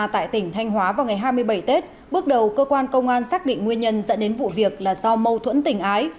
tại tỉnh thanh hóa vào ngày hai mươi bảy tết bước đầu cơ quan công an xác định nguyên nhân dẫn đến vụ việc là do mâu thuẫn tình ái